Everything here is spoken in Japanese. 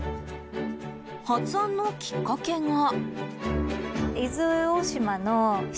発案のきっかけが。